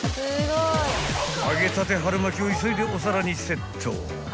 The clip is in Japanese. ［揚げたて春巻きを急いでお皿にセット］